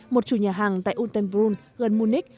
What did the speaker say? một chủ nhà hàng tại unterbrun gần munich